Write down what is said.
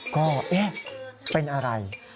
ก็เอ๊ะเป็นอะไร